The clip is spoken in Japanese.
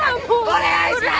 お願いします！